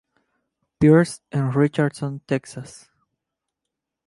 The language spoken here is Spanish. Pearce en Richardson, Texas.